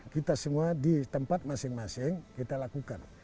kita semua di tempat masing masing kita lakukan